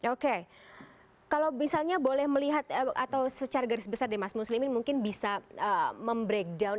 oke kalau misalnya boleh melihat atau secara garis besar deh mas muslimin mungkin bisa membreakdown